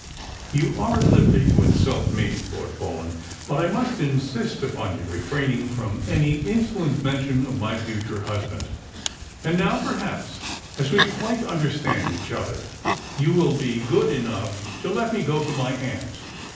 " You are at liberty to insult me. Lord Paulyn, but I must insist upon your refraining from any insolent mention of my future husband. And now, perhaps, as we quite understand each other, you will be good enough to let me go to my aunt."